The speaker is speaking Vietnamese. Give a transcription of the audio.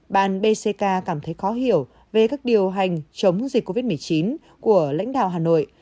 bàn bck cảm thấy khó hiểu về các điều hành chống dịch covid một mươi chín của lãnh đạo hà nội